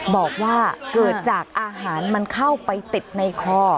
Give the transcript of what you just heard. บอกว่าเกิดจากอาหารมันเข้าไปติดในคอ